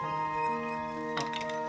あっ。